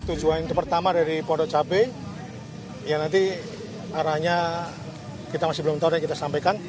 tujuan pertama dari pondok cabai ya nanti arahnya kita masih belum tahu dan kita sampaikan